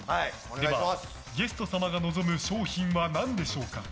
ゲスト様が望む賞品は何でしょうか。